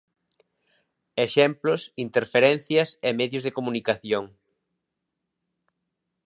Exemplos, interferencias e medios de comunicación.